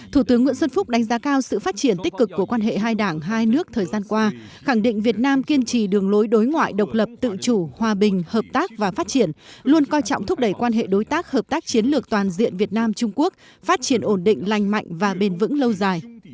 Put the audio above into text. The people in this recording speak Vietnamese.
thủ tướng nguyễn xuân phúc đánh giá cao sự phát triển tích cực của quan hệ hai đảng hai nước thời gian qua khẳng định việt nam kiên trì đường lối đối ngoại độc lập tự chủ hòa bình hợp tác và phát triển luôn coi trọng thúc đẩy quan hệ đối tác hợp tác chiến lược toàn diện việt nam trung quốc phát triển ổn định lành mạnh và bền vững lâu dài